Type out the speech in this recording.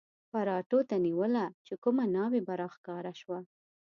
پراټو ته نیوله چې کومه ناوې به را ښکاره شوه.